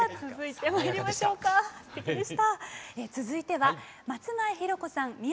続いては松前ひろ子さん